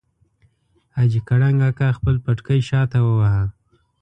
حاجي کړنګ اکا خپل پټکی شاته وواهه.